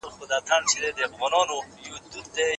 هغه د خپل ژوند وروستۍ ورځي په فکر تېروي.